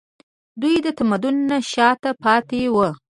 دوی د تمدن نه شاته پاتې وو